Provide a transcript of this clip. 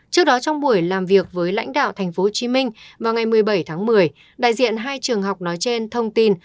trước đó trong buổi làm việc với lãnh đạo tp hcm vào ngày một mươi bảy tháng một mươi đại diện hai trường học nói trên thông tin